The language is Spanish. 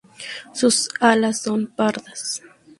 Sus alas son pardas.